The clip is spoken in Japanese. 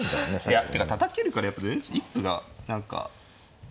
いやていうかたたけるからやっぱ一歩が何か。